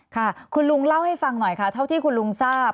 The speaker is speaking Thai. ค่ะคุณลุงเล่าให้ฟังหน่อยค่ะเท่าที่คุณลุงทราบ